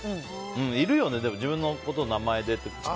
いるよね、でも自分のこと名前で呼ぶ人。